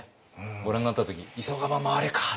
ご覧になった時急がば回れかと。